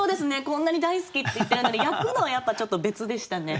こんなに大好きって言ってるのに焼くのはやっぱちょっと別でしたね。